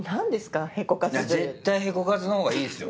絶対屁こかずのほうがいいですよ。